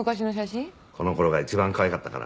この頃が一番かわいかったからな。